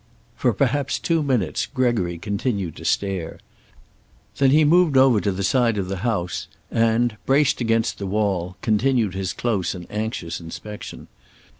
For perhaps two minutes Gregory continued to stare. Then he moved over to the side of the house and braced against the wall continued his close and anxious inspection.